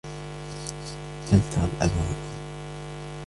هل ترى الأب و الأُم؟